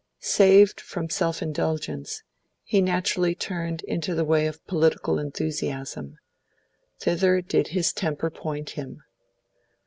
Saved from self indulgence, he naturally turned into the way of political enthusiasm; thither did his temper point him.